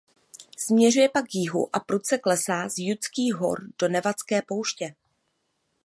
Směřuje pak k jihu a prudce klesá z Judských hor do Negevské pouště.